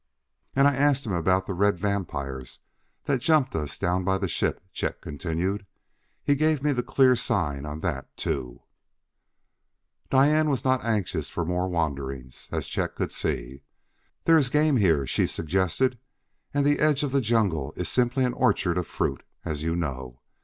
"And I asked him about the red vampires that jumped us down by the ship," Chet continued. "He gave me the clear sign on that, too." Diane was not anxious for more wanderings, as Chet could see. "There is game here," she suggested, "and the edge of the jungle is simply an orchard of fruit, as you know.